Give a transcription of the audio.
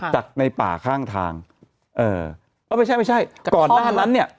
จากในป่าข้างทางเออเออไม่ใช่ไม่ใช่ก่อนหน้านั้นเนี่ย